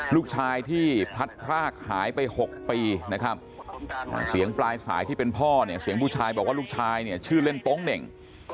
ลูกชายที่พลัดพรากหายไป๖ปีนะครับเสียงปลายสายที่เป็นพ่อเนี่ยเสียงผู้ชายบอกว่าลูกชายเนี่ยชื่อเล่นโป๊งเหน่ง